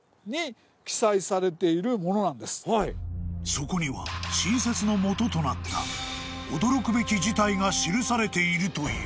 ［そこには新説の基となった驚くべき事態が記されているという］